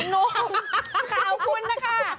นมข่าวคุณนะคะ